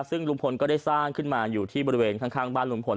ซึ่งลุงพลก็ได้สร้างขึ้นมาอยู่ที่บริเวณข้างบ้านลุงพล